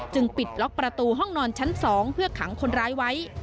ปิดล็อกประตูห้องนอนชั้น๒เพื่อขังคนร้ายไว้